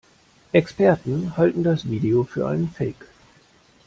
Experten halten das Video für einen Fake.